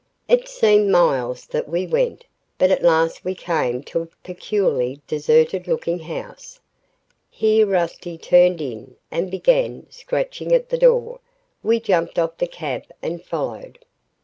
It seemed miles that we went, but at last we came to a peculiarly deserted looking house. Here Rusty turned in and began scratching at the door. We jumped off the cab and followed.